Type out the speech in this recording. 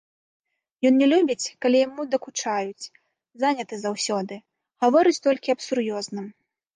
Ён не любіць, калі яму дакучаюць, заняты заўсёды, гаворыць толькі аб сур'ёзным.